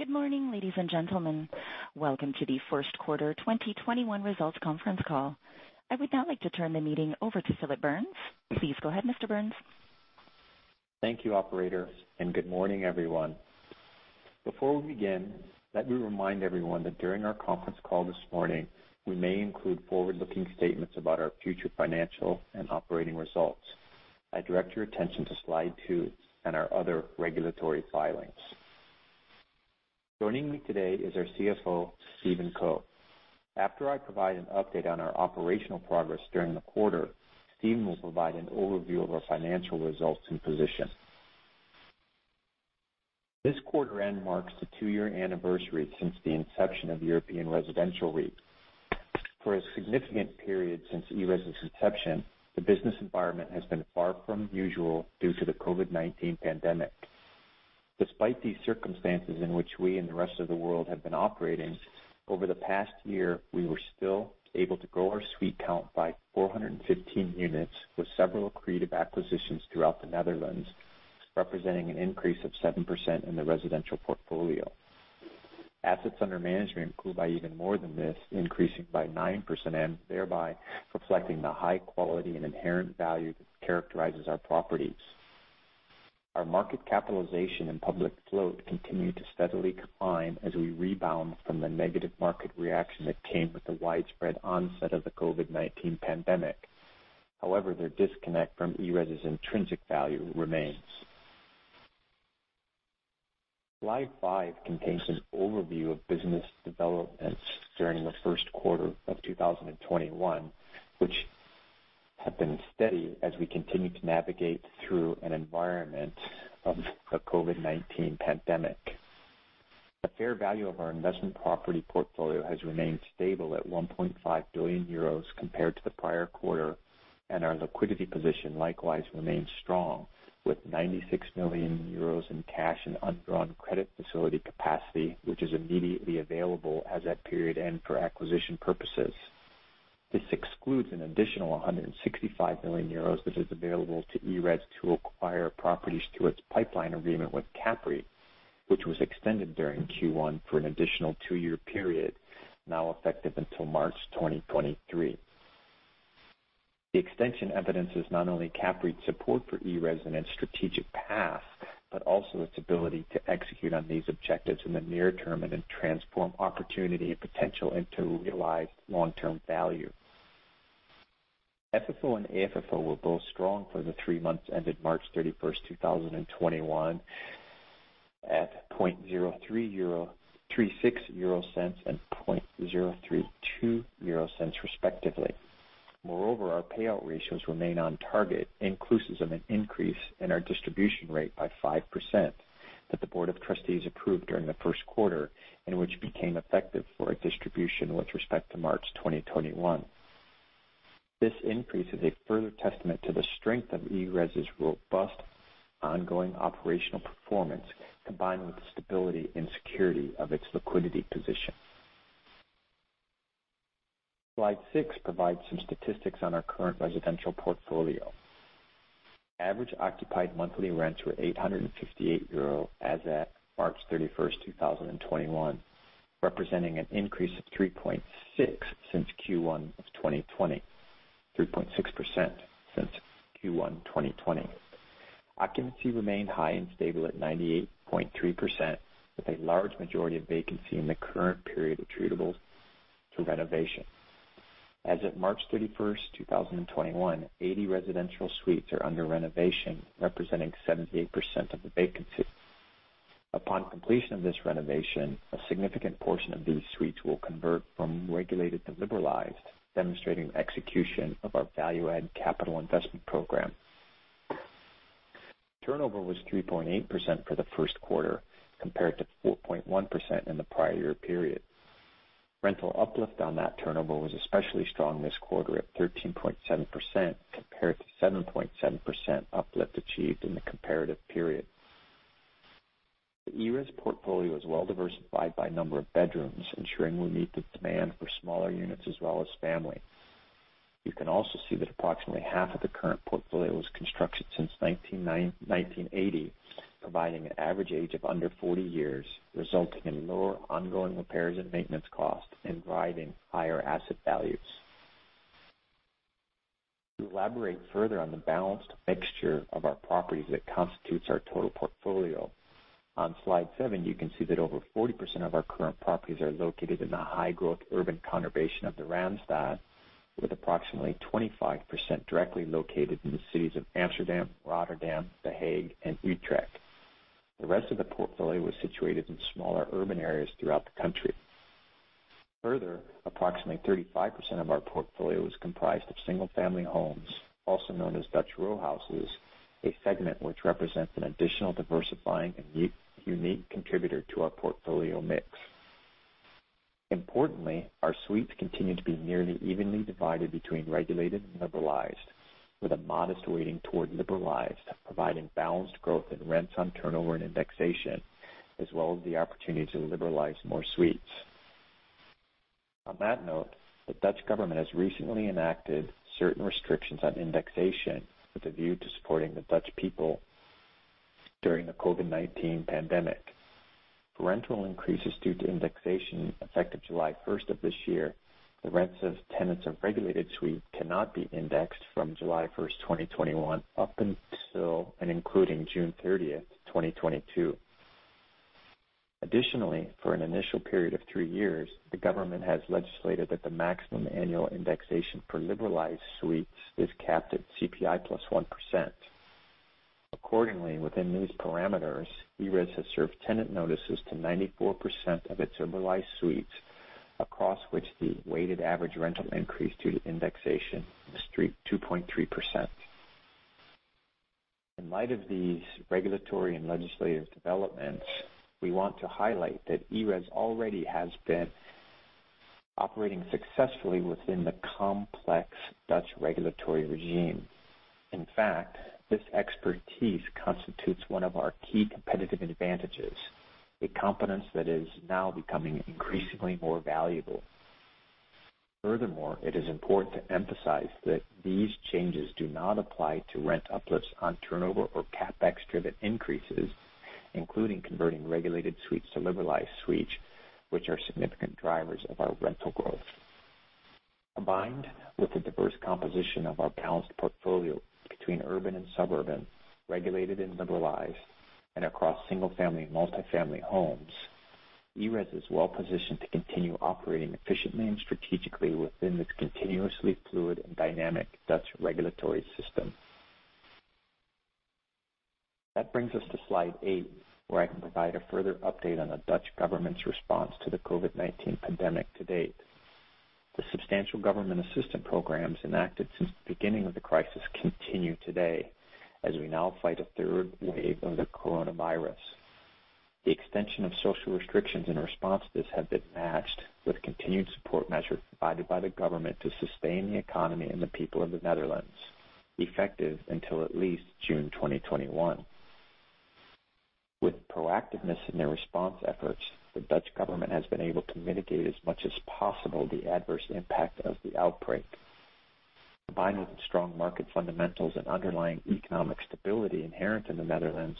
Good morning, ladies and gentlemen. Welcome to the first quarter 2021 results conference call. I would now like to turn the meeting over to Phillip Burns. Please go ahead, Mr. Burns. Thank you, operator. Good morning, everyone. Before we begin, let me remind everyone that during our conference call this morning, we may include forward-looking statements about our future financial and operating results. I direct your attention to slide two and our other regulatory filings. Joining me today is our CFO, Stephen Co. After I provide an update on our operational progress during the quarter, Stephen will provide an overview of our financial results and position. This quarter end marks the two-year anniversary since the inception of European Residential REIT. For a significant period since ERES' inception, the business environment has been far from usual due to the COVID-19 pandemic. Despite these circumstances in which we and the rest of the world have been operating, over the past year, we were still able to grow our suite count by 415 units, with several accretive acquisitions throughout the Netherlands, representing an increase of 7% in the residential portfolio. Assets under management grew by even more than this, increasing by 9% and thereby reflecting the high quality and inherent value that characterizes our properties. Our market capitalization and public float continue to steadily climb as we rebound from the negative market reaction that came with the widespread onset of the COVID-19 pandemic. Their disconnect from ERES' intrinsic value remains. Slide five contains an overview of business developments during the first quarter of 2021, which have been steady as we continue to navigate through an environment of the COVID-19 pandemic. The fair value of our investment property portfolio has remained stable at 1.5 billion euros compared to the prior quarter. Our liquidity position likewise remains strong, with 96 million euros in cash and undrawn credit facility capacity, which is immediately available as at period end for acquisition purposes. This excludes an additional 165 million euros that is available to ERES to acquire properties through its pipeline agreement with CAPREIT, which was extended during Q1 for an additional two-year period, now effective until March 2023. The extension evidences not only CAPREIT's support for ERES and its strategic path, but also its ability to execute on these objectives in the near term then transform opportunity and potential into realized long-term value. FFO and AFFO were both strong for the three months ended March 31st, 2021, at 0.36 and 0.32, respectively. Moreover, our payout ratios remain on target, inclusive of an increase in our distribution rate by 5% that the Board of Trustees approved during the first quarter and which became effective for a distribution with respect to March 2021. This increase is a further testament to the strength of ERES' robust ongoing operational performance, combined with the stability and security of its liquidity position. Slide six provides some statistics on our current residential portfolio. Average occupied monthly rents were 858 euro as at March 31st, 2021, representing an increase of 3.6% since Q1 2020. Occupancy remained high and stable at 98.3%, with a large majority of vacancy in the current period attributable to renovation. As of March 31st, 2021, 80 residential suites are under renovation, representing 78% of the vacancy. Upon completion of this renovation, a significant portion of these suites will convert from regulated to liberalized, demonstrating execution of our value add capital investment program. Turnover was 3.8% for the first quarter, compared to 4.1% in the prior year period. Rental uplift on that turnover was especially strong this quarter at 13.7%, compared to 7.7% uplift achieved in the comparative period. The ERES portfolio is well diversified by number of bedrooms, ensuring we meet the demand for smaller units as well as family. You can also see that approximately half of the current portfolio was constructed since 1980, providing an average age of under 40 years, resulting in lower ongoing repairs and maintenance costs and driving higher asset values. To elaborate further on the balanced mixture of our properties that constitutes our total portfolio, on slide seven, you can see that over 40% of our current properties are located in the high growth urban conurbation of the Randstad, with approximately 25% directly located in the cities of Amsterdam, Rotterdam, The Hague, and Utrecht. The rest of the portfolio was situated in smaller urban areas throughout the country. Further, approximately 35% of our portfolio is comprised of single family homes, also known as Dutch row houses, a segment which represents an additional diversifying and unique contributor to our portfolio mix. Importantly, our suites continue to be nearly evenly divided between regulated and liberalized, with a modest weighting toward liberalized, providing balanced growth in rents on turnover and indexation, as well as the opportunity to liberalize more suites. On that note, the Dutch government has recently enacted certain restrictions on indexation with a view to supporting the Dutch people during the COVID-19 pandemic. Rental increases due to indexation effective July 1st of this year, the rents of tenants of regulated suite cannot be indexed from July 1st, 2021, up until and including June 30th, 2022. Additionally, for an initial period of three years, the government has legislated that the maximum annual indexation for liberalized suites is capped at CPI +1%. Accordingly, within these parameters, ERES has served tenant notices to 94% of its liberalized suites, across which the weighted average rental increase due to indexation is 2.3%. In light of these regulatory and legislative developments, we want to highlight that ERES already has been operating successfully within the complex Dutch regulatory regime. In fact, this expertise constitutes one of our key competitive advantages, a competence that is now becoming increasingly more valuable. Furthermore, it is important to emphasize that these changes do not apply to rent uplifts on turnover or CapEx-driven increases, including converting regulated suites to liberalized suites, which are significant drivers of our rental growth. Combined with the diverse composition of its balanced portfolio between urban and suburban, regulated and liberalized, and across single-family and multi-family homes, ERES is well positioned to continue operating efficiently and strategically within this continuously fluid and dynamic Dutch regulatory system. That brings us to slide eight, where I can provide a further update on the Dutch government's response to the COVID-19 pandemic to date. The substantial government assistance programs enacted since the beginning of the crisis continue today, as we now fight a third wave of the coronavirus. The extension of social restrictions in response to this have been matched with continued support measures provided by the government to sustain the economy and the people of the Netherlands, effective until at least June 2021. With proactiveness in their response efforts, the Dutch government has been able to mitigate as much as possible the adverse impact of the outbreak. Combined with the strong market fundamentals and underlying economic stability inherent in the Netherlands,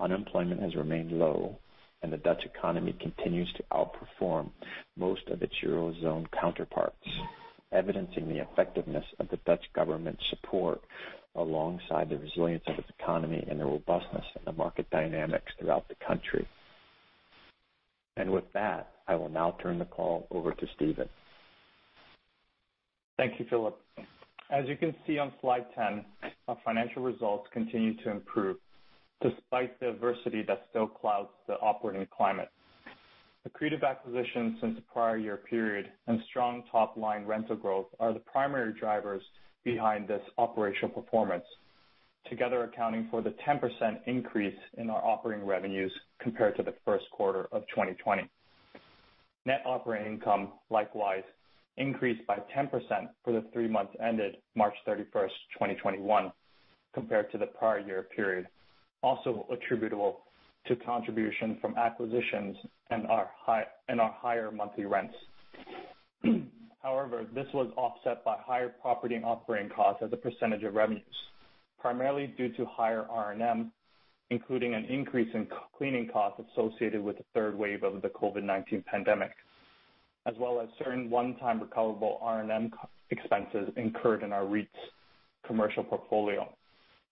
unemployment has remained low, and the Dutch economy continues to outperform most of its Eurozone counterparts, evidencing the effectiveness of the Dutch government's support alongside the resilience of its economy and the robustness of the market dynamics throughout the country. With that, I will now turn the call over to Stephen. Thank you, Phillip. As you can see on slide 10, our financial results continue to improve despite the adversity that still clouds the operating climate. Accretive acquisitions since the prior year period and strong top-line rental growth are the primary drivers behind this operational performance, together accounting for the 10% increase in our operating revenues compared to the first quarter of 2020. Net operating income likewise increased by 10% for the three months ended March 31st, 2021, compared to the prior year period, also attributable to contribution from acquisitions and our higher monthly rents. However, this was offset by higher property and operating costs as a percentage of revenues, primarily due to higher R&M, including an increase in cleaning costs associated with the third wave of the COVID-19 pandemic, as well as certain one-time recoverable R&M expenses incurred in our REIT's commercial portfolio.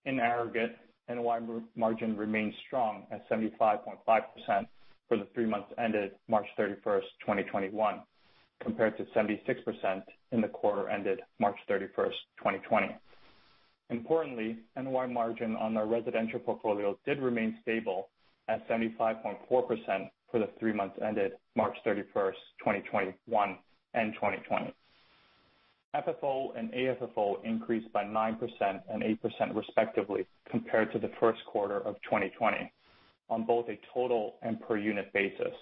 In aggregate, NOI margin remains strong at 75.5% for the three months ended March 31st, 2021, compared to 76% in the quarter ended March 31st, 2020. Importantly, NOI margin on our residential portfolio did remain stable at 75.4% for the three months ended March 31st, 2021 and 2020. FFO and AFFO increased by 9% and 8% respectively compared to the first quarter of 2020 on both a total and per unit basis.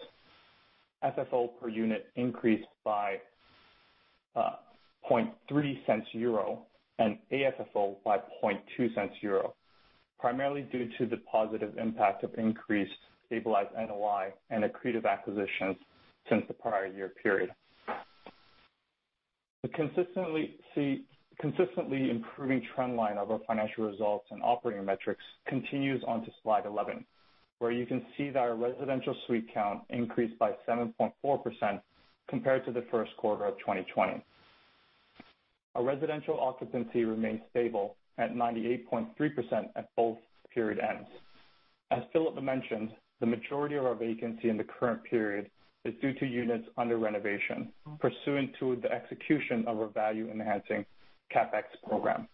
FFO per unit increased by 0.03 and AFFO by 0.02, primarily due to the positive impact of increased stabilized NOI and accretive acquisitions since the prior year period. The consistently improving trend line of our financial results and operating metrics continues onto slide 11, where you can see that our residential suite count increased by 7.4% compared to the first quarter of 2020. Our residential occupancy remained stable at 98.3% at both period ends. As Phillip mentioned, the majority of our vacancy in the current period is due to units under renovation pursuant to the execution of our value-enhancing CapEx program.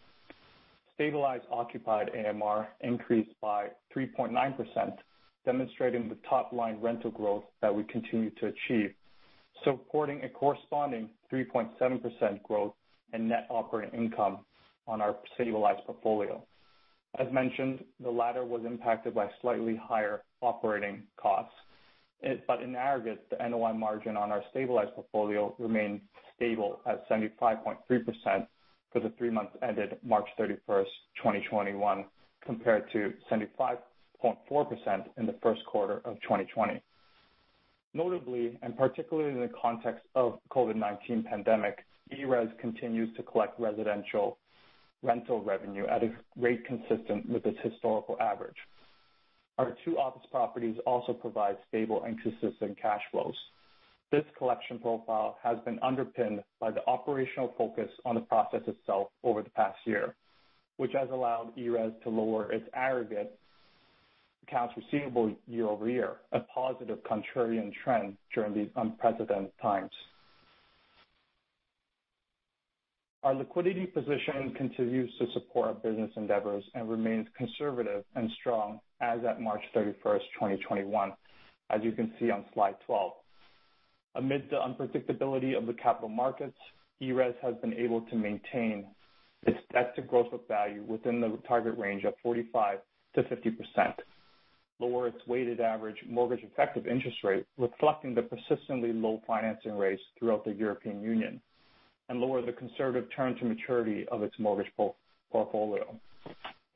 Stabilized occupied AMR increased by 3.9%, demonstrating the top-line rental growth that we continue to achieve, supporting a corresponding 3.7% growth in net operating income on our stabilized portfolio. As mentioned, the latter was impacted by slightly higher operating costs. In aggregate, the NOI margin on our stabilized portfolio remained stable at 75.3%. For the three months ended March 31st, 2021 compared to 75.4% in the first quarter of 2020. Notably, and particularly in the context of COVID-19 pandemic, ERES continues to collect residential rental revenue at a rate consistent with its historical average. Our two office properties also provide stable and consistent cash flows. This collection profile has been underpinned by the operational focus on the process itself over the past year, which has allowed ERES to lower its aggregate accounts receivable year-over-year, a positive contrarian trend during these unprecedented times. Our liquidity position continues to support our business endeavors and remains conservative and strong as at March 31st, 2021, as you can see on slide 12. Amid the unpredictability of the capital markets, ERES has been able to maintain its debt to gross book value within the target range of 45%-50%, lower its weighted average mortgage effective interest rate, reflecting the persistently low financing rates throughout the European Union, and lower the conservative term to maturity of its mortgage portfolio.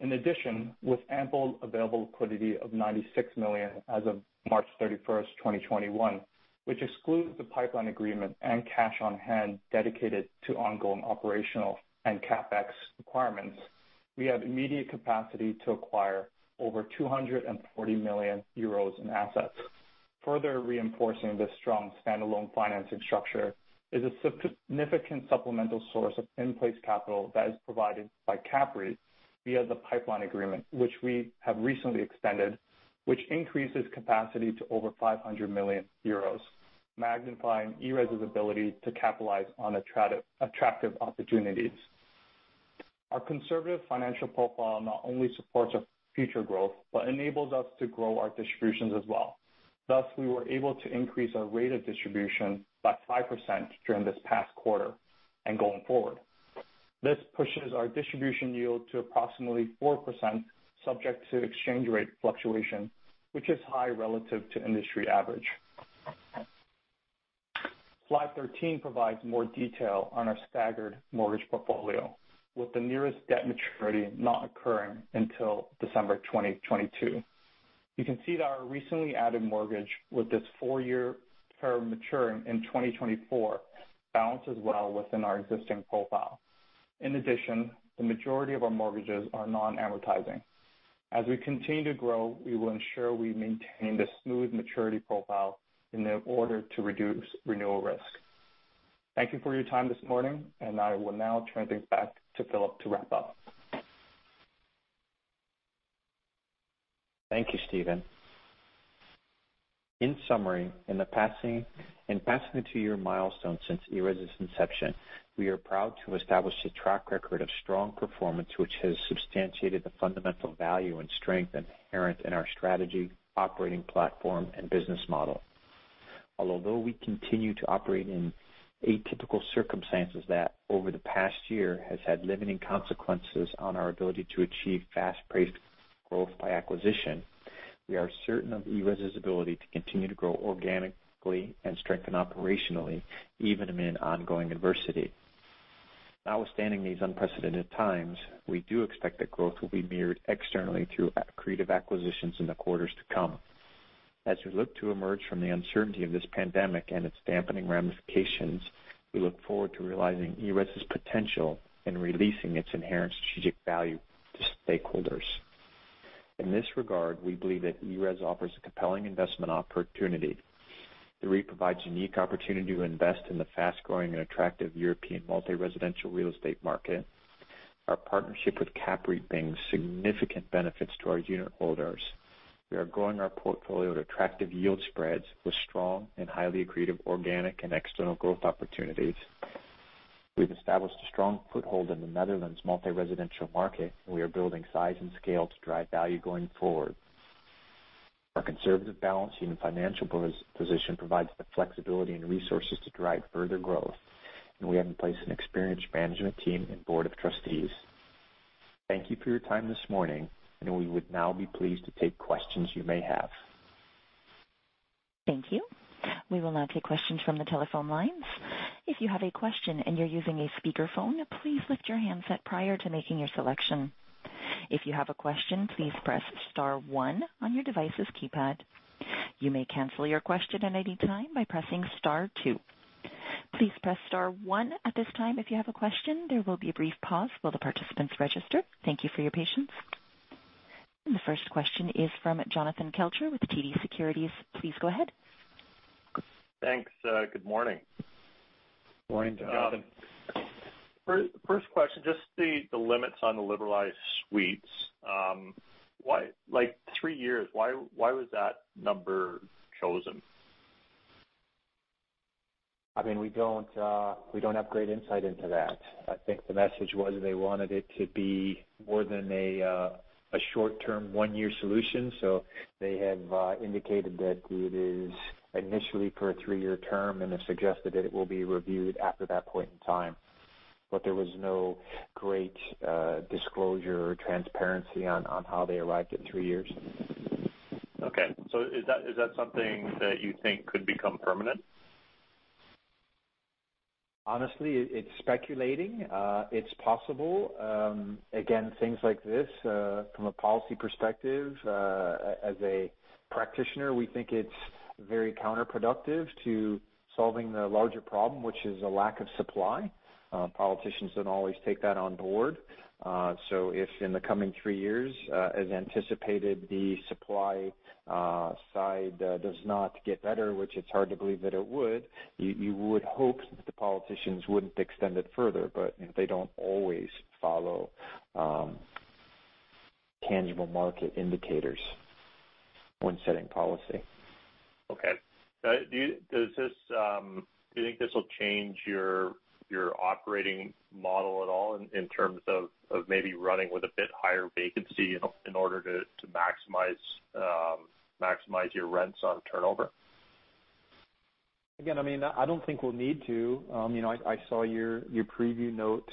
In addition, with ample available liquidity of 96 million as of March 31st, 2021, which excludes the pipeline agreement and cash on hand dedicated to ongoing operational and CapEx requirements, we have immediate capacity to acquire over 240 million euros in assets. Further reinforcing the strong standalone financing structure is a significant supplemental source of in-place capital that is provided by CAPREIT via the pipeline agreement, which we have recently extended, which increases capacity to over 500 million euros, magnifying ERES's ability to capitalize on attractive opportunities. Our conservative financial profile not only supports our future growth but enables us to grow our distributions as well. We were able to increase our rate of distribution by 5% during this past quarter and going forward. This pushes our distribution yield to approximately 4%, subject to exchange rate fluctuation, which is high relative to industry average. Slide 13 provides more detail on our staggered mortgage portfolio, with the nearest debt maturity not occurring until December 2022. You can see that our recently added mortgage with its four-year term maturing in 2024 balances well within our existing profile. In addition, the majority of our mortgages are non-amortizing. As we continue to grow, we will ensure we maintain this smooth maturity profile in order to reduce renewal risk. Thank you for your time this morning. I will now turn things back to Phillip to wrap up. Thank you, Stephen. In summary, in passing the two-year milestone since ERES's inception, we are proud to establish a track record of strong performance which has substantiated the fundamental value and strength inherent in our strategy, operating platform, and business model. Although we continue to operate in atypical circumstances that over the past year has had limiting consequences on our ability to achieve fast-paced growth by acquisition, we are certain of ERES's ability to continue to grow organically and strengthen operationally, even amid ongoing adversity. Notwithstanding these unprecedented times, we do expect that growth will be mirrored externally through accretive acquisitions in the quarters to come. As we look to emerge from the uncertainty of this pandemic and its dampening ramifications, we look forward to realizing ERES's potential in releasing its inherent strategic value to stakeholders. In this regard, we believe that ERES offers a compelling investment opportunity. The REIT provides unique opportunity to invest in the fast-growing and attractive European multi-residential real estate market. Our partnership with CAPREIT brings significant benefits to our unit holders. We are growing our portfolio to attractive yield spreads with strong and highly accretive organic and external growth opportunities. We've established a strong foothold in the Netherlands multi-residential market, and we are building size and scale to drive value going forward. Our conservative balance sheet and financial position provides the flexibility and resources to drive further growth, and we have in place an experienced management team and board of trustees. Thank you for your time this morning, and we would now be pleased to take questions you may have. Thank you. We will now take questions from the telephone lines. The first question is from Jonathan Kelcher with TD Securities. Please go ahead. Thanks. Good morning. Morning, Jonathan. First question, just the limits on the liberalized suites. Like three years, why was that number chosen? We don't have great insight into that. I think the message was they wanted it to be more than a short-term, one-year solution. They have indicated that it is initially for a three-year term and have suggested that it will be reviewed after that point in time. There was no great disclosure or transparency on how they arrived at three years. Okay. Is that something that you think could become permanent? Honestly, it's speculating. It's possible. Again, things like this, from a policy perspective, as a practitioner, we think it's very counterproductive to solving the larger problem, which is a lack of supply. Politicians don't always take that on board. If in the coming three years, as anticipated, the supply side does not get better, which it's hard to believe that it would, you would hope that the politicians wouldn't extend it further. They don't always follow tangible market indicators when setting policy. Okay. Do you think this will change your operating model at all in terms of maybe running with a bit higher vacancy in order to maximize your rents on turnover? I don't think we'll need to. I saw your preview note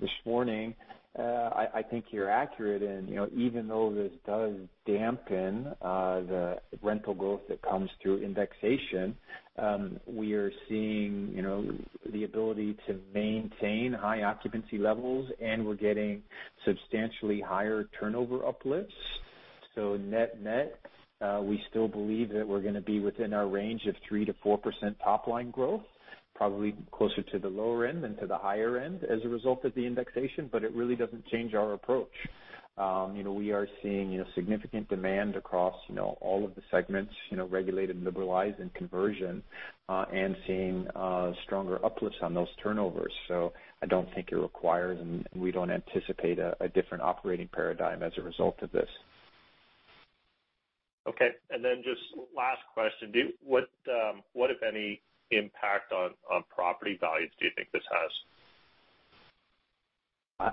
this morning. I think you're accurate in, even though this does dampen the rental growth that comes through indexation, we are seeing the ability to maintain high occupancy levels, and we're getting substantially higher turnover uplifts. Net-net, we still believe that we're going to be within our range of 3%-4% top-line growth, probably closer to the lower end than to the higher end as a result of the indexation. It really doesn't change our approach. We are seeing significant demand across all of the segments, regulated, liberalized, and conversion, and seeing stronger uplifts on those turnovers. I don't think it requires, and we don't anticipate a different operating paradigm as a result of this. Okay. Just last question, what, if any, impact on property values do you think this has?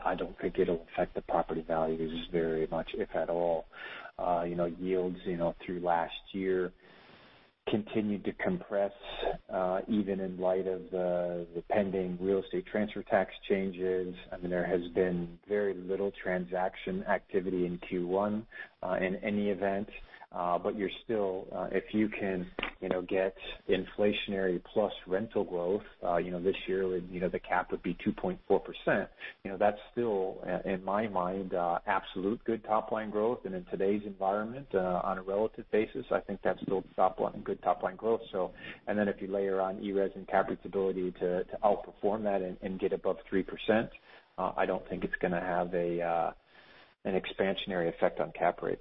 I don't think it'll affect the property values very much, if at all. Yields through last year continued to compress, even in light of the pending real estate transfer tax changes. There has been very little transaction activity in Q1 in any event. If you can get inflationary plus rental growth, this year the cap would be 2.4%. That's still, in my mind, absolute good top-line growth. In today's environment, on a relative basis, I think that's still good top-line growth. If you layer on ERES and CAPREIT's ability to outperform that and get above 3%, I don't think it's going to have an expansionary effect on CAPREIT.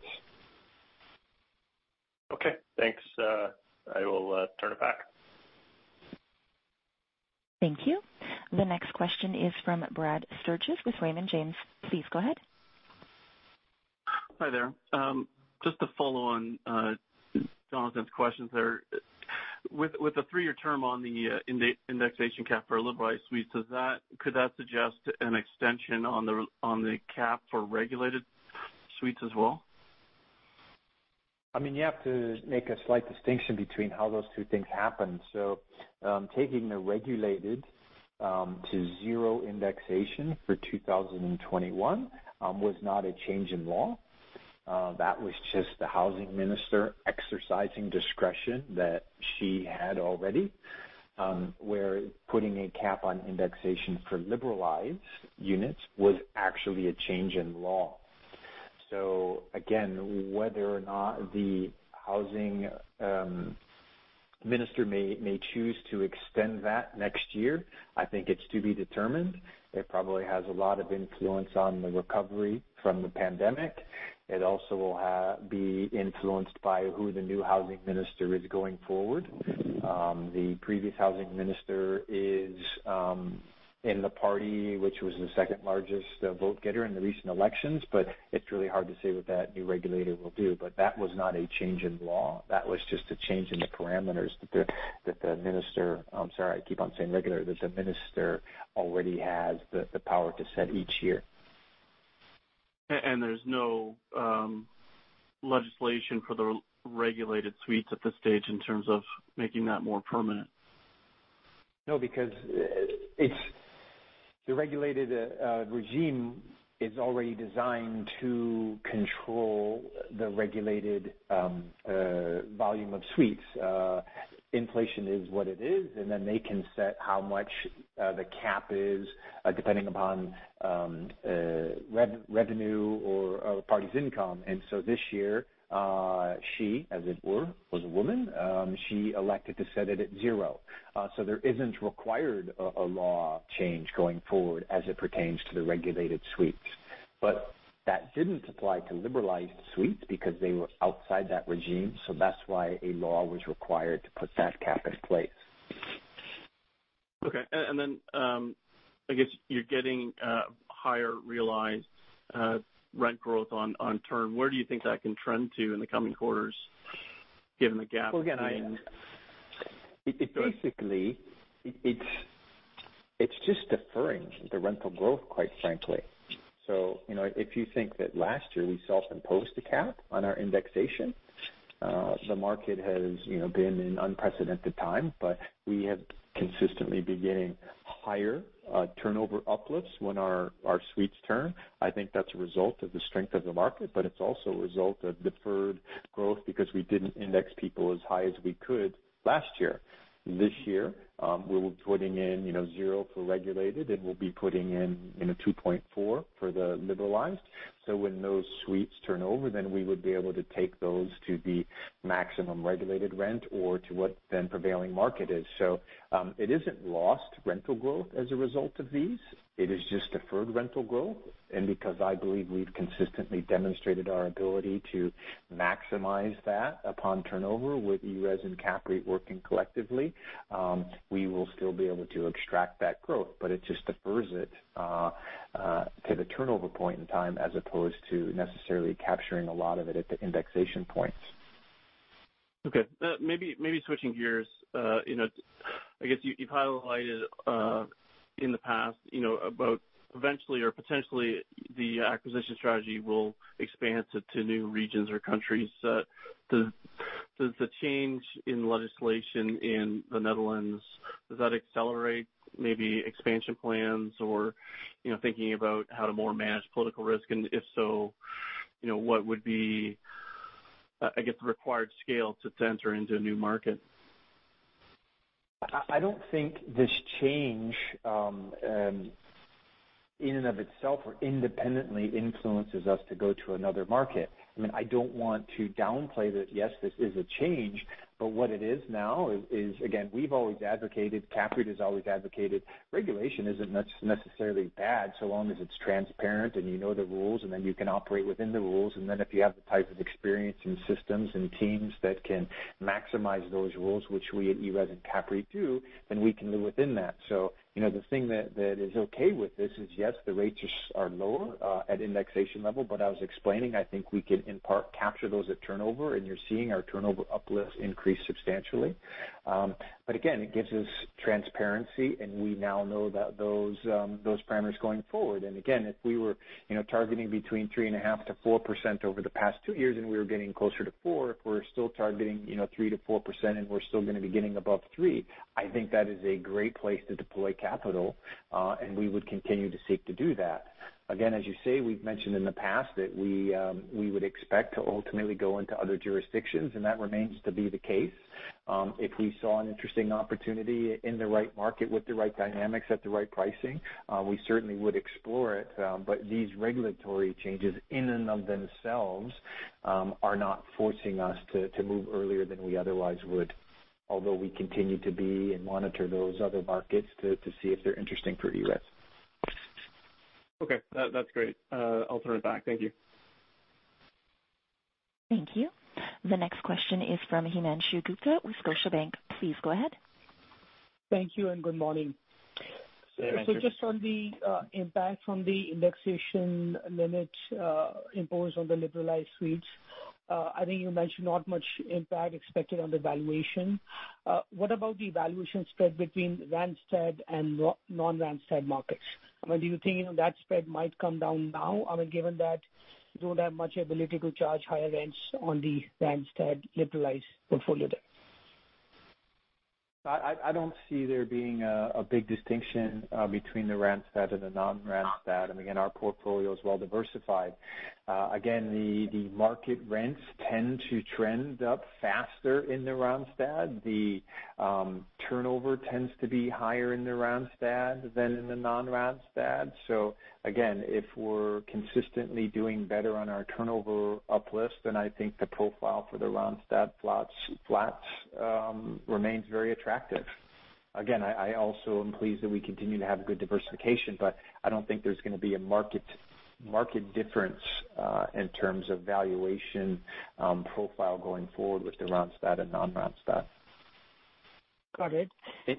Okay, thanks. I will turn it back. Thank you. The next question is from Brad Sturges with Raymond James. Please go ahead. Hi there. Just to follow on Jonathan's questions there. With the three-year term on the indexation cap for liberalized suites, could that suggest an extension on the cap for regulated suites as well? You have to make a slight distinction between how those two things happen. Taking the regulated to zero indexation for 2021 was not a change in law. That was just the housing minister exercising discretion that she had already. Putting a cap on indexation for liberalized units was actually a change in law. Again, whether or not the housing minister may choose to extend that next year, I think it's to be determined. It probably has a lot of influence on the recovery from the pandemic. It also will be influenced by who the new housing minister is going forward. The previous housing minister is in the party, which was the second largest vote-getter in the recent elections. It's really hard to say what that new regulator will do. That was not a change in law. That was just a change in the parameters that the minister, I'm sorry, I keep on saying regulator. That the minister already has the power to set each year. There's no legislation for the regulated suites at this stage in terms of making that more permanent? The regulated regime is already designed to control the regulated volume of suites. Inflation is what it is, they can set how much the cap is depending upon revenue or a party's income. This year, she, [as it were,] was a woman. She elected to set it at zero. There isn't required a law change going forward as it pertains to the regulated suites. That didn't apply to liberalized suites because they were outside that regime, so that's why a law was required to put that cap in place. Okay. I guess you're getting higher realized rent growth on term. Where do you think that can trend to in the coming quarters given the gap between- Well, again, it basically, it's just deferring the rental growth, quite frankly. If you think that last year we self-imposed a cap on our indexation. The market has been in unprecedented time, but we have consistently been getting higher turnover uplifts when our suites turn. I think that's a result of the strength of the market, but it's also a result of deferred growth because we didn't index people as high as we could last year. This year, we're putting in zero for regulated, and we'll be putting in a 2.4 for the liberalized. When those suites turn over, then we would be able to take those to the maximum regulated rent or to what then prevailing market is. It isn't lost rental growth as a result of these. It is just deferred rental growth. Because I believe we've consistently demonstrated our ability to maximize that upon turnover with ERES and CAPREIT working collectively, we will still be able to extract that growth. It just defers it to the turnover point in time as opposed to necessarily capturing a lot of it at the indexation points. Okay. Maybe switching gears. I guess you've highlighted in the past about eventually or potentially the acquisition strategy will expand to new regions or countries. Does the change in legislation in the Netherlands, does that accelerate maybe expansion plans or thinking about how to more manage political risk, and if so, what would be, I guess, the required scale to enter into a new market? I don't think this change in and of itself or independently influences us to go to another market. I don't want to downplay that, yes, this is a change, but what it is now is, again, we've always advocated, CAPREIT has always advocated, regulation isn't necessarily bad so long as it's transparent and you know the rules, and then you can operate within the rules. If you have the type of experience and systems and teams that can maximize those rules, which we at ERES and CAPREIT do, then we can live within that. The thing that is okay with this is, yes, the rates are lower at indexation level, but I was explaining, I think we can, in part, capture those at turnover, and you're seeing our turnover uplifts increase substantially. Again, it gives us transparency, and we now know those parameters going forward. Again, if we were targeting between 3.5%-4% over the past two years, and we were getting closer to 4%, if we're still targeting 3%-4% and we're still going to be getting above 3%, I think that is a great place to deploy capital, and we would continue to seek to do that. Again, as you say, we've mentioned in the past that we would expect to ultimately go into other jurisdictions, and that remains to be the case. If we saw an interesting opportunity in the right market with the right dynamics at the right pricing, we certainly would explore it. These regulatory changes, in and of themselves, are not forcing us to move earlier than we otherwise would, although we continue to be and monitor those other markets to see if they're interesting for ERES. Okay. That's great. I'll turn it back. Thank you. Thank you. The next question is from Himanshu Gupta with Scotiabank. Please go ahead. Thank you and good morning. Yeah. Thank you. Just on the impact from the indexation limit imposed on the liberalized suites, I think you mentioned not much impact expected on the valuation. What about the valuation spread between Randstad and non-Randstad markets? Do you think that spread might come down now, given that you don't have much ability to charge higher rents on the Randstad liberalized portfolio there? I don't see there being a big distinction between the Randstad and the non-Randstad. Again, our portfolio is well-diversified. Again, the market rents tend to trend up faster in the Randstad. The turnover tends to be higher in the Randstad than in the non-Randstad. Again, if we're consistently doing better on our turnover uplifts, then I think the profile for the Randstad flats remains very attractive. Again, I also am pleased that we continue to have good diversification, but I don't think there's going to be a market difference in terms of valuation profile going forward with the Randstad and non-Randstad. Got it.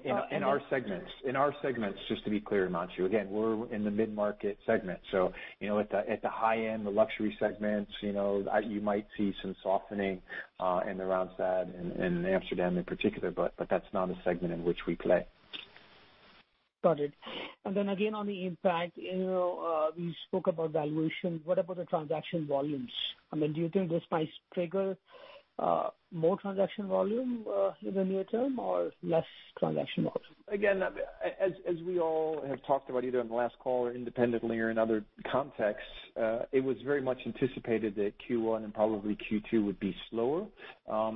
In our segments, just to be clear, Himanshu. We're in the mid-market segment. At the high end, the luxury segments, you might see some softening in the Randstad, in Amsterdam in particular, but that's not a segment in which we play. Got it. Again, on the impact, we spoke about valuation. What about the transaction volumes? Do you think this might trigger more transaction volume in the near term or less transaction volume? Again, as we all have talked about, either on the last call or independently or in other contexts, it was very much anticipated that Q1 and probably Q2 would be slower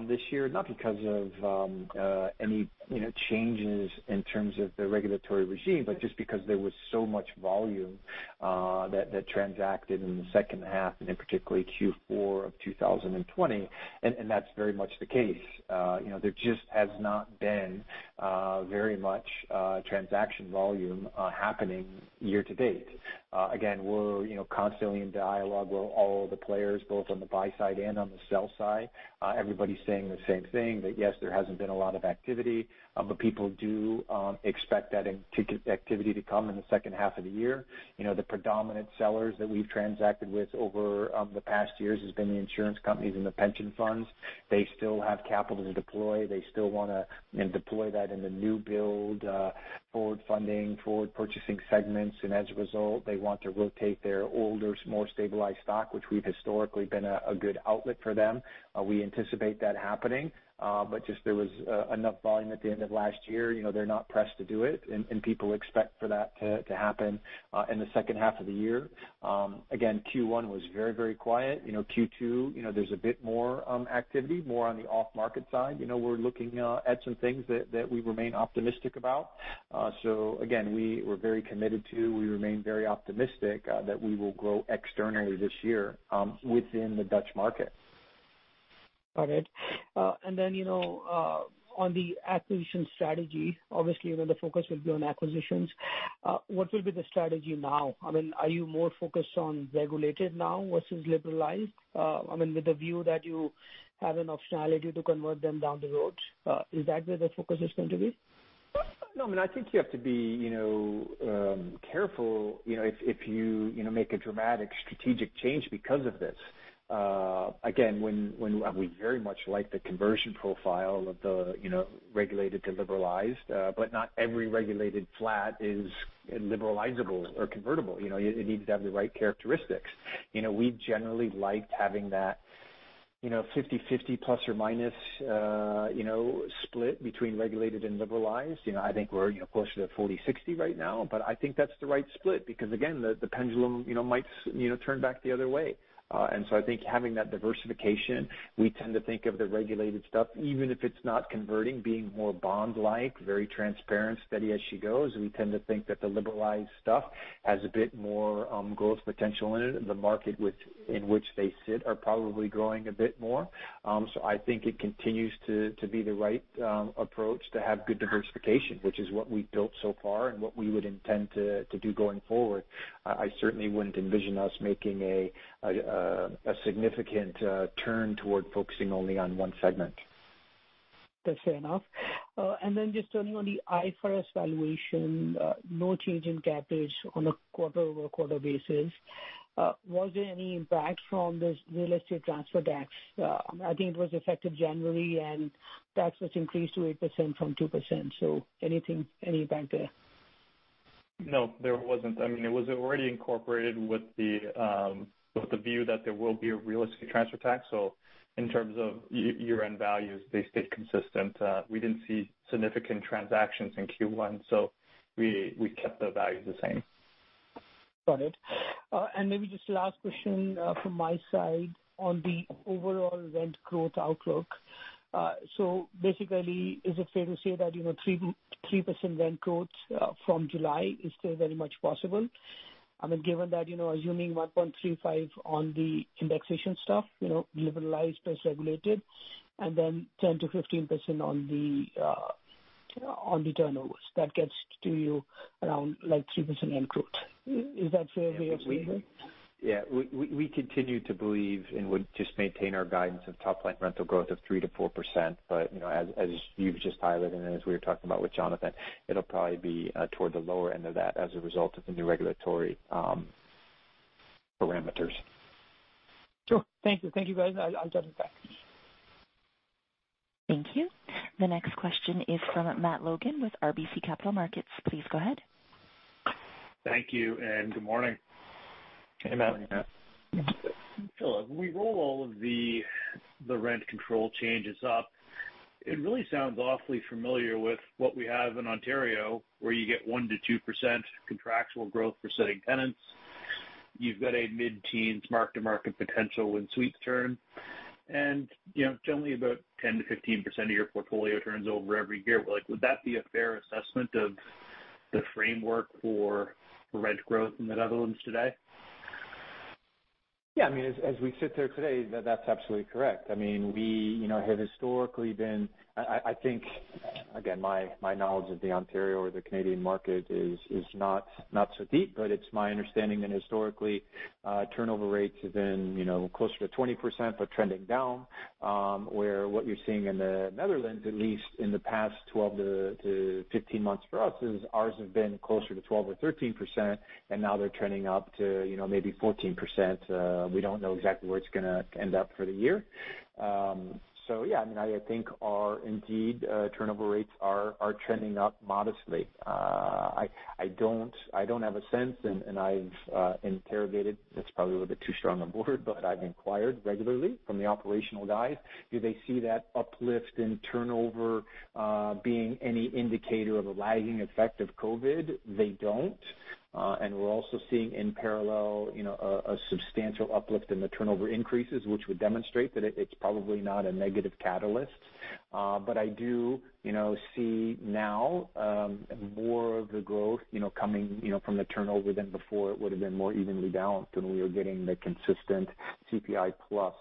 this year, not because of any changes in terms of the regulatory regime, but just because there was so much volume that transacted in the second half, and in particularly Q4 of 2020, and that's very much the case. There just has not been very much transaction volume happening year to date. Again, we're constantly in dialogue with all the players, both on the buy side and on the sell side. Everybody's saying the same thing, that yes, there hasn't been a lot of activity, but people do expect that activity to come in the second half of the year. The predominant sellers that we've transacted with over the past years has been the insurance companies and the pension funds. They still have capital to deploy. They still want to deploy that in the new build, forward funding, forward purchasing segments, and as a result, they want to rotate their older, more stabilized stock, which we've historically been a good outlet for them. We anticipate that happening. Just there was enough volume at the end of last year. They're not pressed to do it, and people expect for that to happen in the second half of the year. Again, Q1 was very quiet. Q2, there's a bit more activity, more on the off-market side. We're looking at some things that we remain optimistic about. Again, we're very committed to, we remain very optimistic that we will grow externally this year within the Dutch market. Got it. On the acquisition strategy, obviously, the focus will be on acquisitions. What will be the strategy now? Are you more focused on regulated now versus liberalized with the view that you have an optionality to convert them down the road? Is that where the focus is going to be? No, I think you have to be careful if you make a dramatic strategic change because of this. Again, we very much like the conversion profile of the regulated to liberalized. Not every regulated flat is liberalizable or convertible. It needs to have the right characteristics. We generally liked having that 50/50± split between regulated and liberalized. I think we're closer to 40/60 right now. I think that's the right split because again, the pendulum might turn back the other way. I think having that diversification, we tend to think of the regulated stuff, even if it's not converting, being more bond-like, very transparent, steady as she goes. We tend to think that the liberalized stuff has a bit more growth potential in it, and the market in which they sit are probably growing a bit more. I think it continues to be the right approach to have good diversification, which is what we've built so far and what we would intend to do going forward. I certainly wouldn't envision us making a significant turn toward focusing only on one segment. That's fair enough. Just turning on the IFRS valuation, no change in cap rate on a quarter-over-quarter basis. Was there any impact from this real estate transfer tax? I think it was effective January, and tax was increased to 8% from 2%. Anything, any impact there? No, there wasn't. It was already incorporated with the view that there will be a real estate transfer tax. In terms of year-end values, they stayed consistent. We didn't see significant transactions in Q1, so we kept the values the same. Got it. Maybe just the last question from my side on the overall rent growth outlook. Basically, is it fair to say that 3% rent growth from July is still very much possible? Given that assuming 1.35 on the indexation stuff, liberalized plus regulated, and then 10%-15% on the turnovers, that gets to you around 3% rent growth. Is that fair way of seeing it? We continue to believe and would just maintain our guidance of top-line rental growth of 3%-4%. As you've just highlighted and as we were talking about with Jonathan, it'll probably be toward the lower end of that as a result of the new regulatory parameters. Sure. Thank you. Thank you guys. I'll jot it back. Thank you. The next question is from Matt Logan with RBC Capital Markets. Please go ahead. Thank you, and good morning. Hey, Matt. Hey, Matt. Phillip, when we roll all of the rent control changes up, it really sounds awfully familiar with what we have in Ontario, where you get 1%-2% contractual growth for sitting tenants. You've got a mid-teens mark-to-market potential when suites turn. Generally about 10%-15% of your portfolio turns over every year. Would that be a fair assessment of the framework for rent growth in the Netherlands today? As we sit there today, that's absolutely correct. We have, I think, again, my knowledge of the Ontario or the Canadian market is not so deep. It's my understanding that historically, turnover rates have been closer to 20% but trending down. What you're seeing in the Netherlands, at least in the past 12-15 months for us, is ours have been closer to 12% or 13%, and now they're trending up to maybe 14%. We don't know exactly where it's going to end up for the year. I think our indeed turnover rates are trending up modestly. I don't have a sense, and I've interrogated, that's probably a little bit too strong a word, but I've inquired regularly from the operational guys. Do they see that uplift in turnover being any indicator of a lagging effect of COVID? They don't. We're also seeing in parallel a substantial uplift in the turnover increases, which would demonstrate that it's probably not a negative catalyst. I do see now more of the growth coming from the turnover than before it would've been more evenly balanced, and we are getting the consistent CPI plus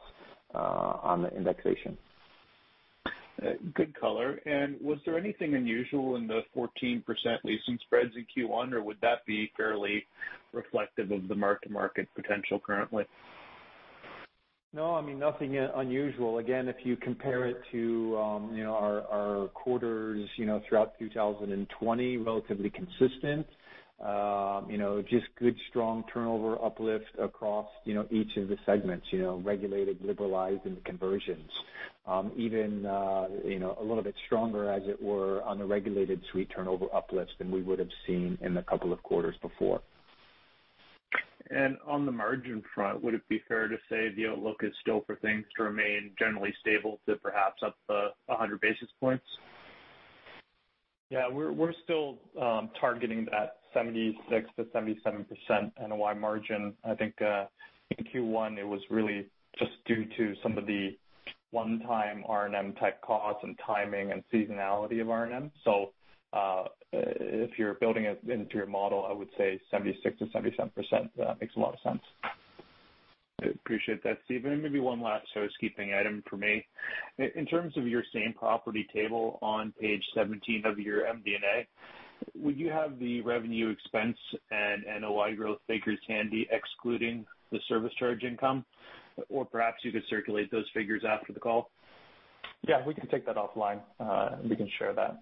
on the indexation. Good color. Was there anything unusual in the 14% leasing spreads in Q1, or would that be fairly reflective of the mark-to-market potential currently? No, nothing unusual. Again, if you compare it to our quarters throughout 2020, relatively consistent. Just good, strong turnover uplift across each of the segments, regulated, liberalized, and conversions. Even a little bit stronger, as it were, on the regulated suite turnover uplifts than we would've seen in the couple of quarters before. On the margin front, would it be fair to say the outlook is still for things to remain generally stable to perhaps up 100 basis points? Yeah, we're still targeting that 76%-77% NOI margin. I think in Q1, it was really just due to some of the one-time R&M type costs and timing and seasonality of R&M. If you're building it into your model, I would say 76%-77% makes a lot of sense. Appreciate that, Stephen. Maybe one last housekeeping item from me. In terms of your same property table on page 17 of your MD&A, would you have the revenue expense and NOI growth figures handy excluding the service charge income? Or perhaps you could circulate those figures after the call. Yeah, we can take that offline. We can share that.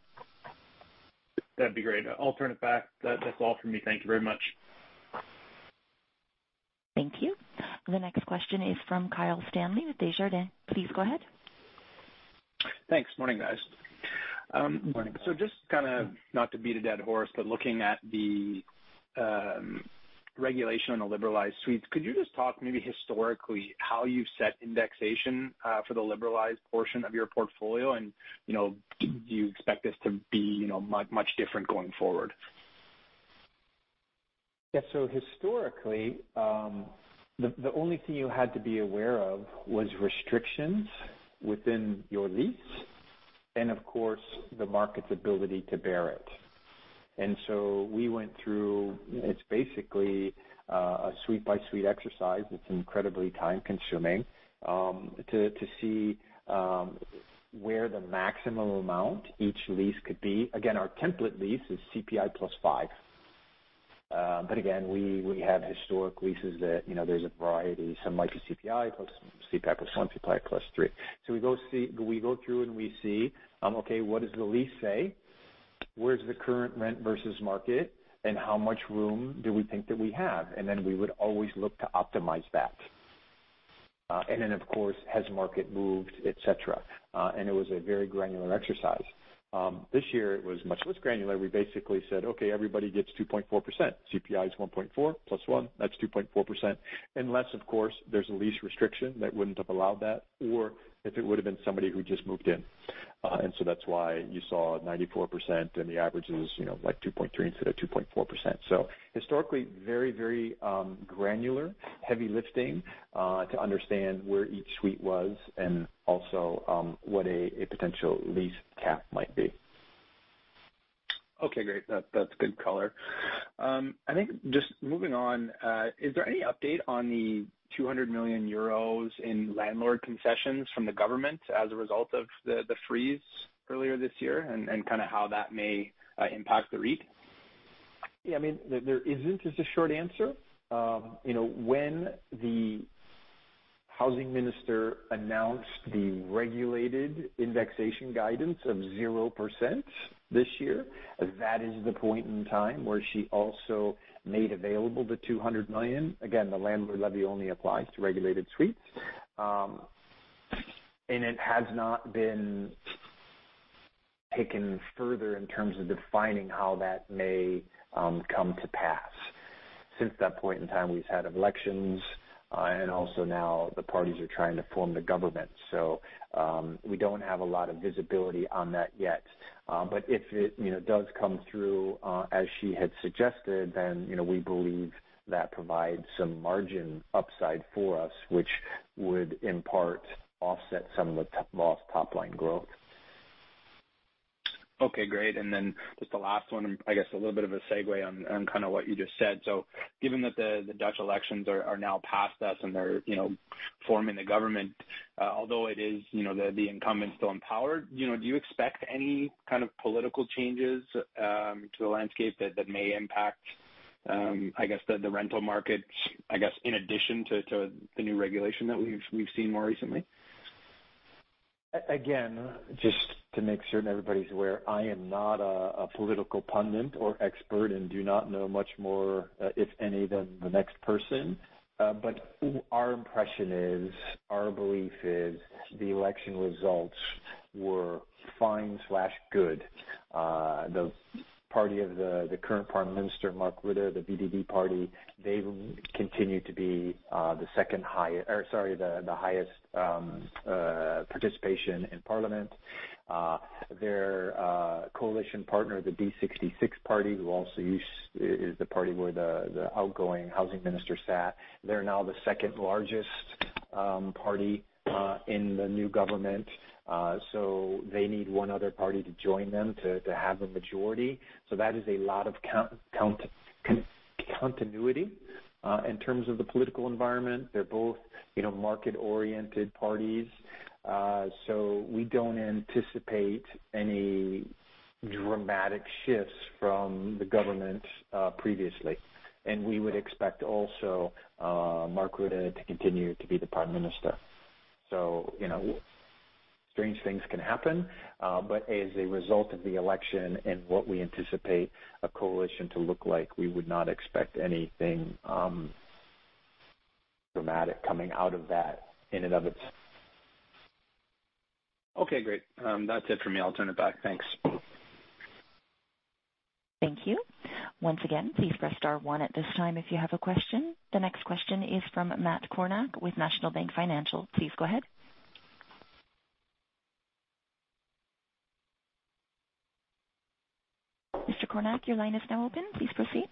That'd be great. I'll turn it back. That's all from me. Thank you very much. Thank you. The next question is from Kyle Stanley with Desjardins. Please go ahead. Thanks. Morning, guys. Morning. Just kind of, not to beat a dead horse, but looking at the regulation on the liberalized suites, could you just talk maybe historically how you've set indexation for the liberalized portion of your portfolio and do you expect this to be much different going forward? Yeah. Historically, the only thing you had to be aware of was restrictions within your lease and of course, the market's ability to bear it. We went through, it's basically a suite-by-suite exercise. It's incredibly time-consuming, to see where the maximum amount each lease could be. Again, our template lease is CPI plus five. Again, we have historic leases that there's a variety. Some might be CPI plus one, CPI plus three. We go through and we see, okay, what does the lease say? Where's the current rent versus market, and how much room do we think that we have? Then we would always look to optimize that. Then, of course, has the market moved, et cetera. It was a very granular exercise. This year it was much less granular. We basically said, "Okay, everybody gets 2.4%. CPI is 1.4% + 1%, that's 2.4%." Unless, of course, there's a lease restriction that wouldn't have allowed that or if it would've been somebody who just moved in. That's why you saw 94% and the average is 2.3% instead of 2.4%. Historically very granular, heavy lifting, to understand where each suite was and also what a potential lease cap might be. Okay, great. That's good color. I think just moving on, is there any update on the 200 million euros in landlord levy from the government as a result of the freeze earlier this year, and how that may impact the REIT? Yeah, there isn't, is the short answer. When the housing minister announced the regulated indexation guidance of 0% this year, that is the point in time where she also made available the 200 million. Again, the landlord levy only applies to regulated suites. It has not been taken further in terms of defining how that may come to pass. Since that point in time, we've had elections, also now the parties are trying to form the government. We don't have a lot of visibility on that yet. If it does come through as she had suggested, then we believe that provides some margin upside for us, which would in part offset some of the lost top-line growth. Okay, great. Just the last one, and I guess a little bit of a segue on what you just said. Given that the Dutch elections are now past us and they're forming the government, although the incumbent's still in power, do you expect any kind of political changes to the landscape that may impact the rental market in addition to the new regulation that we've seen more recently? Again, just to make certain everybody's aware, I am not a political pundit or expert and do not know much more, if any, than the next person. Our impression is, our belief is the election results were fine/good. The party of the current Prime Minister, Mark Rutte, the VVD party, they continue to be the highest participation in parliament. Their coalition partner, the D66 party, who also is the party where the outgoing housing minister sat, they're now the second-largest party in the new government. They need one other party to join them to have a majority. That is a lot of continuity in terms of the political environment. They're both market-oriented parties. We don't anticipate any dramatic shifts from the government previously. We would expect also Mark Rutte to continue to be the prime minister. Strange things can happen, but as a result of the election and what we anticipate a coalition to look like, we would not expect anything dramatic coming out of that in and of itself. Okay, great. That's it for me. I'll turn it back. Thanks. Thank you. Once again, please press star one at this time if you have a question. The next question is from Matt Kornack with National Bank Financial. Please go ahead. Mr. Kornack, your line is now open. Please proceed.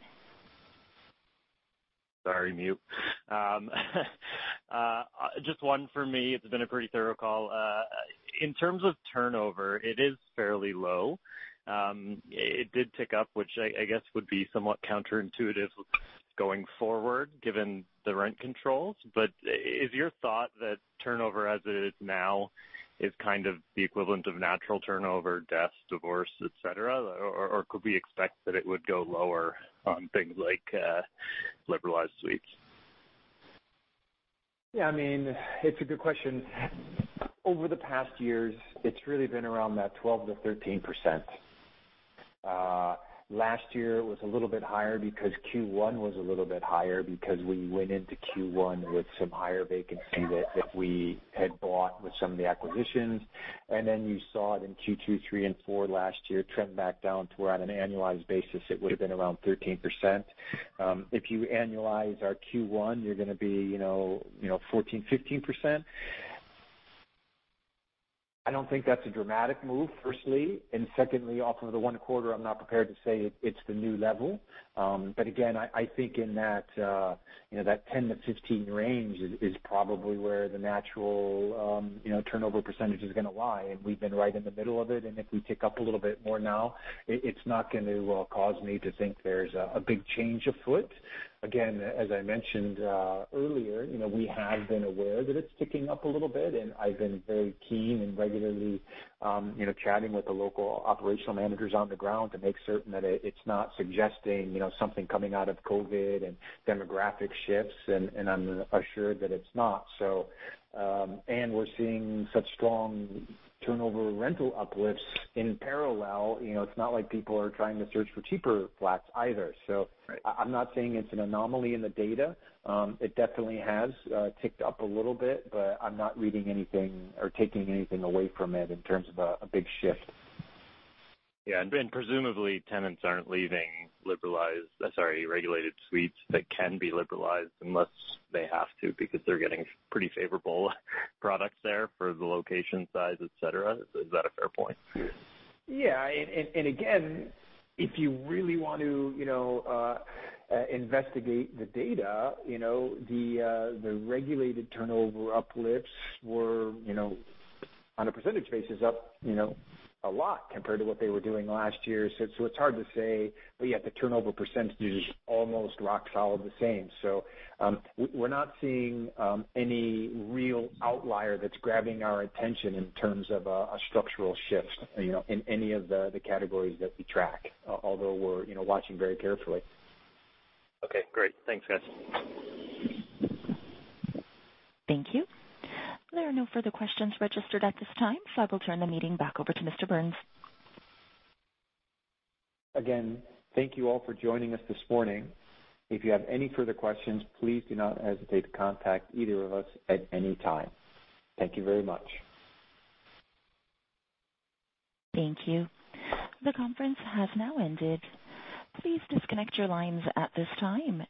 Sorry, mute. Just one for me. It has been a pretty thorough call. In terms of turnover, it is fairly low. It did tick up, which I guess would be somewhat counterintuitive going forward, given the rent controls. Is your thought that turnover as it is now is kind of the equivalent of natural turnover, deaths, divorce, et cetera? Or could we expect that it would go lower on things like liberalized suites? Yeah. It's a good question. Over the past years, it's really been around that 12%-13%. Last year was a little bit higher because Q1 was a little bit higher because we went into Q1 with some higher vacancy that we had bought with some of the acquisitions. You saw it in Q2, Q3, and Q4 last year trend back down to, on an annualized basis, it would've been around 13%. If you annualize our Q1, you're going to be 14%-15%. I don't think that's a dramatic move, firstly, and secondly, off of the one quarter, I'm not prepared to say it's the new level. Again, I think in that 10%-15% range is probably where the natural turnover percentage is going to lie. We've been right in the middle of it. If we tick up a little bit more now, it's not going to cause me to think there's a big change afoot. Again, as I mentioned earlier, we have been aware that it's ticking up a little bit, and I've been very keen in regularly chatting with the local operational managers on the ground to make certain that it's not suggesting something coming out of COVID and demographic shifts, and I'm assured that it's not. We're seeing such strong turnover rental uplifts in parallel. It's not like people are trying to search for cheaper flats either. Right. I'm not saying it's an anomaly in the data. It definitely has ticked up a little bit, but I'm not reading anything or taking anything away from it in terms of a big shift. Yeah. Presumably tenants aren't leaving regulated suites that can be liberalized unless they have to, because they're getting pretty favorable products there for the location size, et cetera. Is that a fair point? Yeah. Again, if you really want to investigate the data, the regulated turnover uplifts were, on a percentage basis, up a lot compared to what they were doing last year. It's hard to say, but yet the turnover percentage is almost rock solid the same. We're not seeing any real outlier that's grabbing our attention in terms of a structural shift in any of the categories that we track, although we're watching very carefully. Okay, great. Thanks, guys. Thank you. There are no further questions registered at this time. I will turn the meeting back over to Mr. Burns. Thank you all for joining us this morning. If you have any further questions, please do not hesitate to contact either of us at any time. Thank you very much. Thank you. The conference has now ended. Please disconnect your lines at this time.